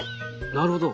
なるほど。